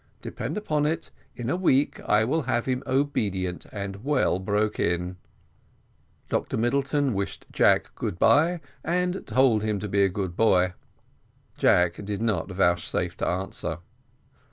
Depend upon it, in a week I will have him obedient and well broke in." Dr Middleton wished Jack good bye, and told him to be a good boy. Jack did not vouchsafe to answer.